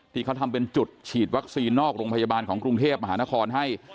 ที่เขาทำเป็นจุดฉีดวัคซีนนอกโรงพยาบาลของกรุงเทพมหานครให้